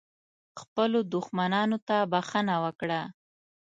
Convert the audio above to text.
خپلو دښمنانو ته بښنه وکړه .